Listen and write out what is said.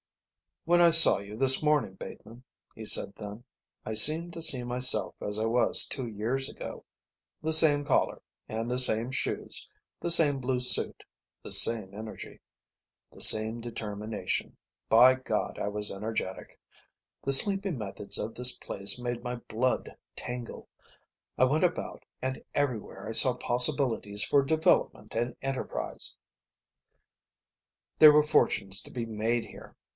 "When I saw you this morning, Bateman," he said then, "I seemed to see myself as I was two years ago. The same collar, and the same shoes, the same blue suit, the same energy. The same determination. By God, I was energetic. The sleepy methods of this place made my blood tingle. I went about and everywhere I saw possibilities for development and enterprise. There were fortunes to be made here.